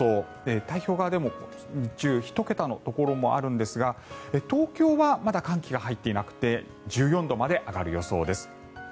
太平洋側でも日中１桁のところもあるんですが東京はまだ寒気が入っていなくて１４度まで上がる予想です。